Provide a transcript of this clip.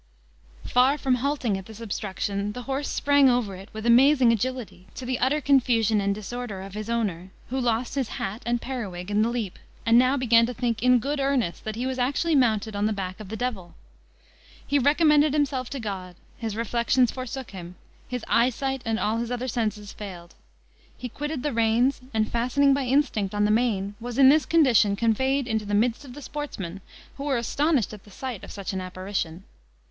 Far from halting at this obstruction, the horse sprang over it with amazing agility, to the utter confusion and disorder of his owner, who lost his hat and periwig in the leap, and now began to think, in good earnest, that he was actually mounted on the back of the devil. He recommended himself to God; his reflections forsook him; his eyesight and all his other senses failed; he quitted the reins, and fastening by instinct on the mane, was in this condition conveyed into the midst of the sportsmen, who were astonished at the sight of such an apparition.